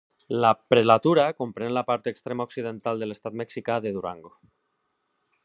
La prelatura comprèn la part extrema occidental de l'estat mexicà de Durango.